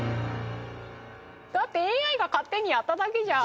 だってＡＩが勝手にやっただけじゃん。